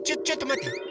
ちょっとまって。